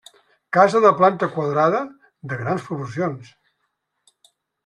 Casa de planta quadrada, de grans proporcions.